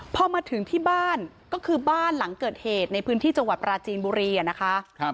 พอมาถึงที่บ้านก็คือบ้านหลังเกิดเหตุในพื้นที่จังหวัดปราจีนบุรีนะคะ